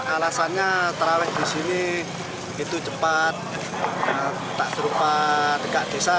alasannya terawih di sini itu cepat tak serupa dekat desa